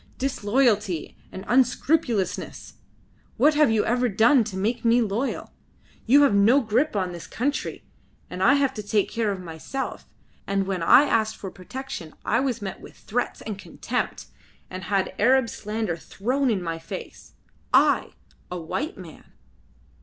"... disloyalty and unscrupulousness! What have you ever done to make me loyal? You have no grip on this country. I had to take care of myself, and when I asked for protection I was met with threats and contempt, and had Arab slander thrown in my face. I! a white man!"